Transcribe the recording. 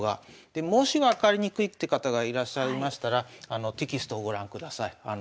もし分かりにくいって方がいらっしゃいましたらテキストをご覧ください。